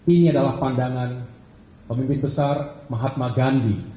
ini adalah pandangan pemimpin besar mahatma gandhi